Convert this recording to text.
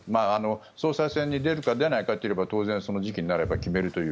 総裁選に出るか出ないかというのは当然その時期になれば決めるという。